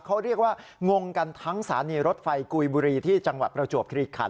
เขาเรียกว่างงกันทั้งสถานีรถไฟกุยบุรีที่จังหวัดประจวบคลีขัน